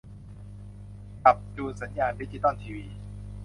ปรับจูนสัญญาณดิจิตอลทีวี